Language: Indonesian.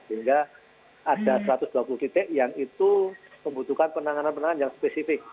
sehingga ada satu ratus dua puluh titik yang itu membutuhkan penanganan penanganan yang spesifik